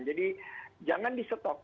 jadi jangan di stok